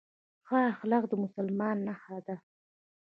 ښه اخلاق د مسلمان نښه ده